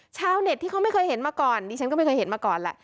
ชาวเน็ตที่เขาไม่เคยเห็นมาก่อนดิฉันก็ไม่เคยเห็นมาก่อนแหละ